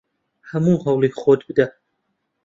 هەموو هەوڵی خۆت بدە!